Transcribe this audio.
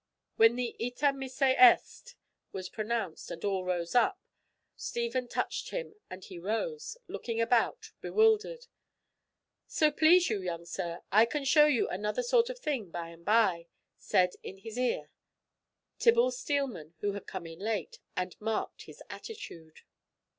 When the Ite missa est was pronounced, and all rose up, Stephen touched him and he rose, looking about, bewildered. "So please you, young sir, I can show you another sort of thing by and by," said in his ear Tibble Steelman, who had come in late, and marked his attitude.